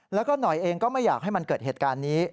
แล้วก็หน่อยเองก็ไม่อยากให้มันเกิดเหตุการณ์นี้